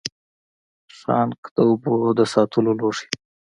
ښانک د اوبو د ساتلو لوښی دی